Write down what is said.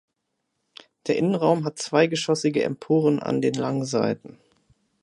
Der Innenraum hat zweigeschossige Emporen an den Langseiten.